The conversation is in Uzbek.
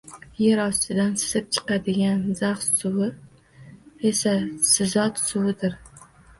Yer ostidan sizib chiqadigan, zax suvi esa sizot suvdir